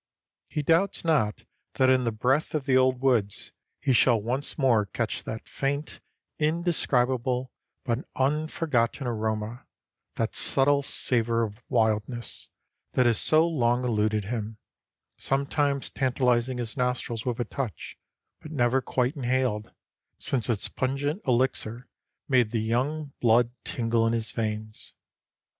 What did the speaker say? He doubts not that in the breath of the old woods he shall once more catch that faint, indescribable, but unforgotten aroma, that subtle savor of wildness, that has so long eluded him, sometimes tantalizing his nostrils with a touch, but never quite inhaled since its pungent elixir made the young blood tingle in his veins.